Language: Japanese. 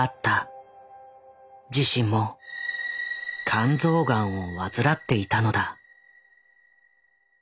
自身も肝臓ガンを患っていたのだ。